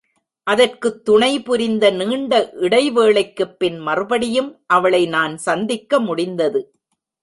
அதற்குத் துணைபுரிந்த நீண்ட இடைவேளைக்குப் பின் மறுபடியும் அவளை நான் சந்திக்க முடிந்தது.